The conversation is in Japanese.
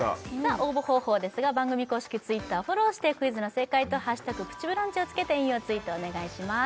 応募方法ですが番組公式Ｔｗｉｔｔｅｒをフォローしてクイズの正解と「＃プチブランチ」をつけて引用ツイートをお願いします